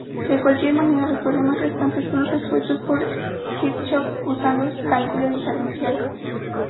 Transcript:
De cualquier manera los problemas restantes fueron resueltos por Kirchhoff usando cálculo diferencial.